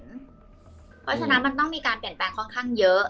เพราะฉะนั้นมันต้องมีการเปลี่ยนแปลงค่อนข้างเยอะ